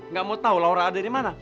nggak mau tahu laura ada dimana